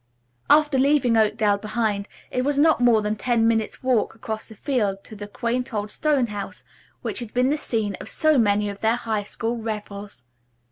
After leaving Oakdale behind, it was not more than ten minutes' walk across the fields to the quaint old stone house which had been the scene of so many of their high school revels.